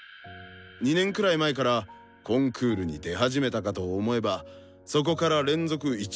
２年くらい前からコンクールに出始めたかと思えばそこから連続１位入賞。